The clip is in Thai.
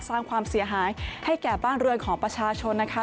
สร้างความเสียหายให้แก่บ้านเรือนของประชาชนนะคะ